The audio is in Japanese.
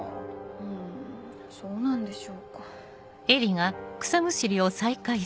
うんそうなんでしょうか。